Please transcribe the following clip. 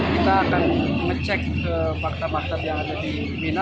kita akan ngecek maktam maktam yang ada di mina